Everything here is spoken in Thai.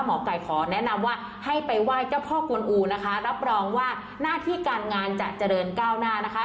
หมอไก่ขอแนะนำว่าให้ไปไหว้เจ้าพ่อกวนอูนะคะรับรองว่าหน้าที่การงานจะเจริญก้าวหน้านะคะ